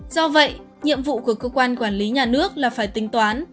do vậy nhiệm vụ của cơ quan quản lý nhà nước là phải tính toán